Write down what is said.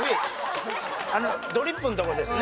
ドリップのとこですね